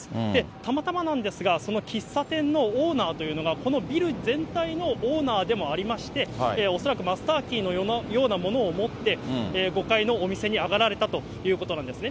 たまたまなんですが、その喫茶店のオーナーというのが、このビル全体のオーナーでもありまして、恐らくマスターキーのようなものを持って、５階のお店に上がられたということなんですね。